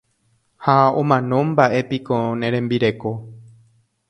Ha omanómba'epiko ne rembireko.